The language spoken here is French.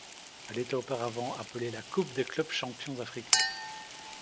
Elle était auparavant appelée la Coupe des clubs champions africains.